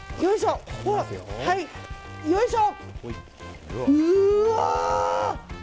よいしょ。